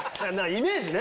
イメージね。